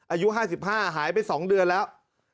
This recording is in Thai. อายุ๕๕หายไป๒เดือนแล้ว